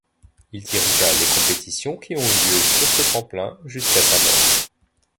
Il dirigea les compétitions qui ont eu lieu sur ce tremplin jusqu'à sa mort.